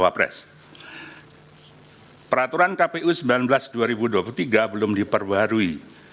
peraturan kpu sembilan belas dua ribu dua puluh tiga belum diperbarui